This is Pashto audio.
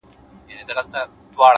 فکر د عمل لارښود دی؛